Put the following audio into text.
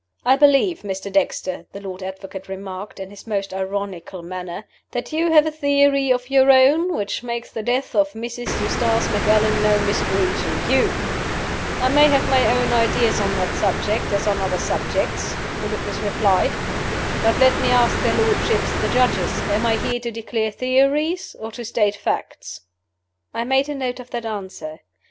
"I believe, Mr. Dexter," the Lord Advocate remarked, in his most ironical manner, "that you have a theory of your own, which makes the death of Mrs. Eustace Macallan no mystery to you?" "I may have my own ideas on that subject, as on other subjects," the witness replied. "But let me ask their lordships, the Judges: Am I here to declare theories or to state facts?" I made a note of that answer.